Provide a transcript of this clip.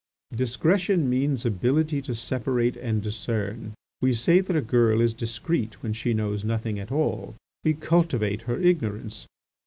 "Discretion means ability to separate and discern. We say that a girl is discreet when she knows nothing at all. We cultivate her ignorance.